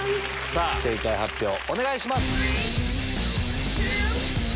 さぁ正解発表お願いします。